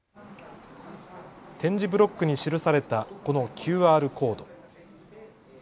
点字ブロックに記されたこのＱＲコード。